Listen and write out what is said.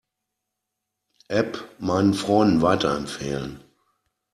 App meinen Freunden weiterempfehlen.